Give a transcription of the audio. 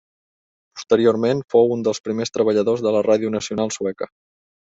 Posteriorment fou un dels primers treballadors de la ràdio nacional sueca.